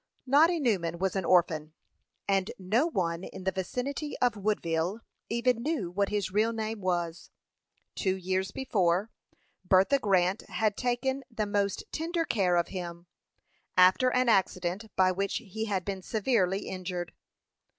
Noddy Newman was an orphan; and no one in the vicinity of Woodville even knew what his real name was. Two years before, Bertha Grant had taken the most tender care of him, after an accident by which he had been severely injured.